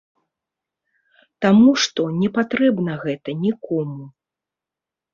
Таму што не патрэбна гэта нікому.